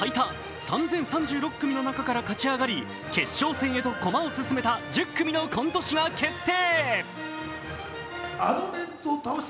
史上最多３０３６組の中から勝ち上がり決勝戦へと駒を進めた１０組のコント師が決定。